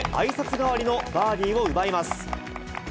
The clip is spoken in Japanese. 代わりのバーディーを奪います。